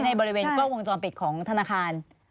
ในบริเวณกล้องวงจรปิดของธนาคาร